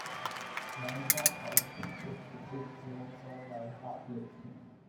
Mantrap Township took its name from Mantrap Lake.